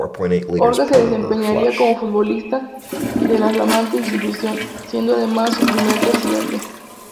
Orgaz se desempeñaría como futbolista de la flamante institución, siendo además su primer presidente.